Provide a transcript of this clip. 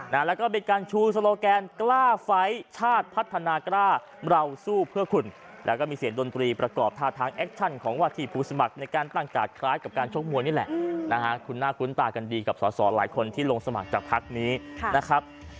แล้วก็เป็นการชูสโลแกนกล้าไฟล์ชาติพัฒนากล้าเราสู้เพื่อคุณแล้วก็มีเสียงดนตรีประกอบท่าทางแอคชั่นของวาทีผู้สมัครในการตั้งกาดคล้ายกับการชกมวยนี่แหละนะฮะคุณหน้าคุ้นตากันดีกับสอสอหลายคนที่ลงสมัครจากพักนี้นะครับ